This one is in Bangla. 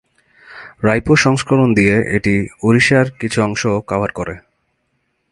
রায়পুর সংস্করণ দিয়ে এটি "ওড়িশার" কিছু অংশও কভার করে।